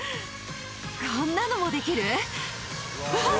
こんなのもできる？